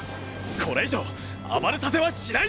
これ以上暴れさせはしないぞ！